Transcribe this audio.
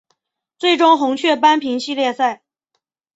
最终红雀扳平系列赛。